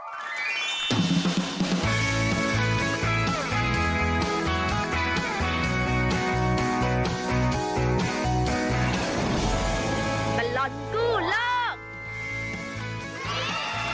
ตลอดกู้โลก